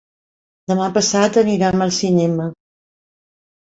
Demà passat anirem al cinema.